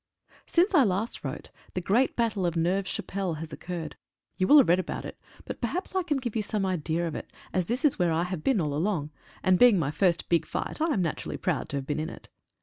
Since last I wrote the great battle of Neuve Cha pelle has occurred. You will have read about it, but perhaps I can give you some idea of it ,as this is where I have been all along, and being my first big fight I am naturally proud to have been in it.